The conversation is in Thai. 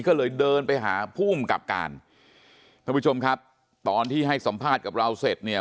ก็เลยเดินไปหาภูมิกับการท่านผู้ชมครับตอนที่ให้สัมภาษณ์กับเราเสร็จเนี่ย